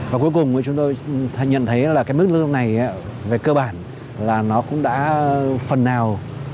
và cuối cùng chúng tôi nhận thấy là cái mức lương này về cơ bản là nó cũng đã phần nào